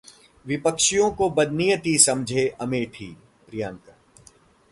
विपक्षियों की बदनीयती समझे अमेठी: प्रियंका